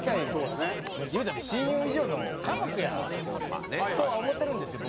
言うても親友以上の家族やとは思ってるんですよ